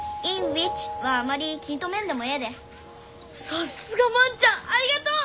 さすが万ちゃんありがとう！